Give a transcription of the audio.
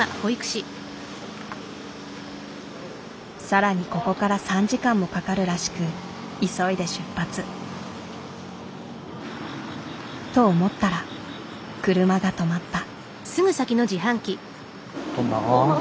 更にここから３時間もかかるらしく急いで出発。と思ったら車が止まった。